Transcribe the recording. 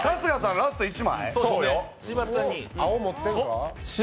ラスト１枚？